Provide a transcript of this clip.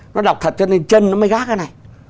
nó đọc thật cho nên chân nó mới gác cái này